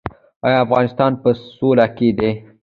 آیا افغانستان په سوله کې دی؟